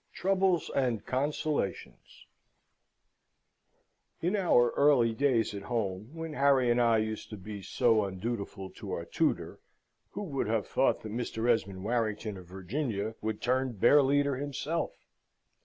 Troubles and Consolations In our early days at home, when Harry and I used to be so undutiful to our tutor, who would have thought that Mr. Esmond Warrington of Virginia would turn Bearleader himself?